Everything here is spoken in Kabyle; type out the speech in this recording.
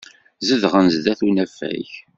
Zedɣen sdat unafag.